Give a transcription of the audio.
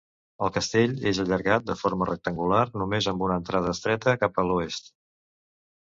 El castell és allargat de forma rectangular, només amb una entrada estreta cap a l'oest.